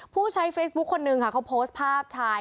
ผู้ใช้เฟซบุ๊คคนนึงค่ะเขาโพสต์ภาพชาย